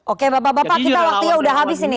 oke bapak bapak kita waktunya sudah habis ini